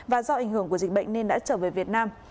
và do ảnh hưởng của dịch bệnh nên đã trở về việt nam